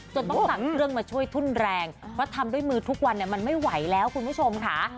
ต้องสั่งเครื่องมาช่วยทุ่นแรงเพราะทำด้วยมือทุกวันมันไม่ไหวแล้วคุณผู้ชมค่ะ